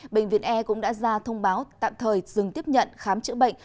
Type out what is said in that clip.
bệnh viện e cũng đã ra thông báo tạm thời dừng tiếp nhận khám chữa bệnh